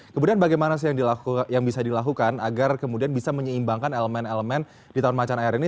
kemudian bagaimana sih yang bisa dilakukan agar kemudian bisa menyeimbangkan elemen elemen di tahun macan air ini